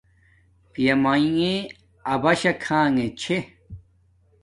پیا میݣے اباشا کھانݣے چھے